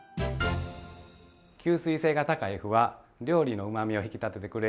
吸水性が高い麩は料理のうまみを引き立ててくれる名脇役です。